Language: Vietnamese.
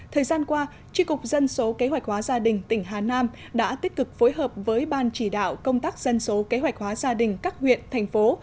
thời gian qua tri cục dân số kế hoạch hóa gia đình tỉnh hà nam đã tích cực phối hợp với ban chỉ đạo công tác dân số kế hoạch hóa gia đình các huyện thành phố